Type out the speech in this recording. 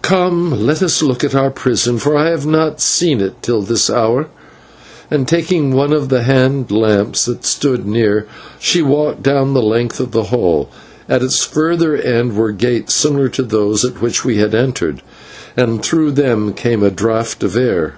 Come, let us look at our prison, for I have not seen it till this hour," and, taking one of the hand lamps that stood near, she walked down the length of the hall. At its further end were gates similar to those by which we had entered, and through them came a draught of air.